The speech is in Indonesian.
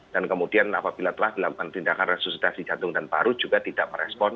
dan kemudian apabila telah dilakukan tindakan resusitasi jantung dan paru juga tidak merespon